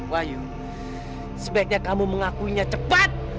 wahyu sebaiknya kamu mengakuinya cepat